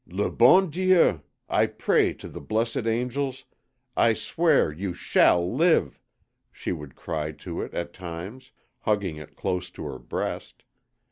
"Le bon Dieu I pray to the Blessed Angels I swear you SHALL live!" she would cry to it at times, hugging it close to her breast.